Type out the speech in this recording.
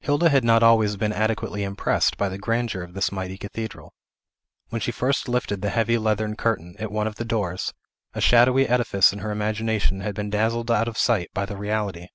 Hilda had not always been adequately impressed by the grandeur of this mighty cathedral. When she first lifted the heavy leathern curtain, at one of the doors, a shadowy edifice in her imagination had been dazzled out of sight by the reality.